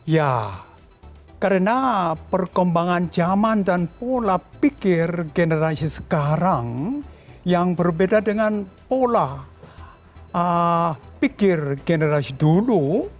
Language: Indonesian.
ya karena perkembangan zaman dan pola pikir generasi sekarang yang berbeda dengan pola pikir generasi dulu